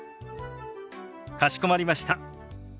かしこまりました。